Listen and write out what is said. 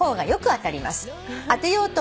「当てようと思い